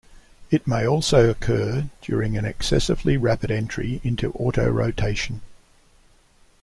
It may also occur during an excessively rapid entry into autorotation.